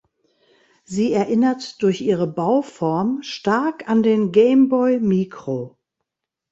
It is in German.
Sie erinnert durch ihre Bauform stark an den Game Boy Micro.